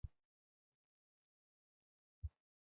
هغوی د اصلاح غږ کمزوری کړ.